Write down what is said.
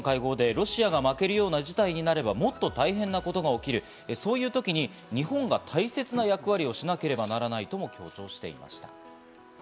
昨日の会合で、ロシアが負けるような事態になればもっと大変なことが起きる、そういう時に日本は大切な役割をしなければならないとも強調していました。